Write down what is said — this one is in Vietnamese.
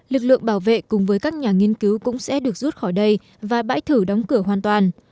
lực lượng bảo vệ cùng với các nhà nghiên cứu cũng sẽ được rút khỏi đây và bãi thử đóng cửa hoàn toàn